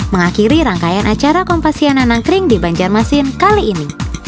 mengakhiri rangkaian acara kompassiana nangkering di banjarmasin kali ini